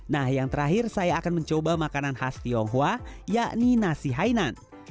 nah yang terakhir saya akan mencoba makanan khas tionghoa yakni nasi hainan